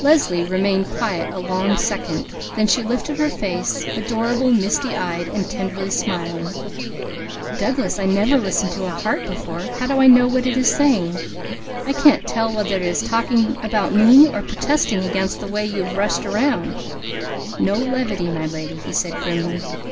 Leslie remained quiet a long second. Then she lifted her face, adorable, misty eyed and tenderly smiling. "Douglas, I never listened to a heart before! How do I know what it is saying? I can't tell whether it is talking about me or protesting against the way you've been rushing around!" "No levity, my lady," he said grimly.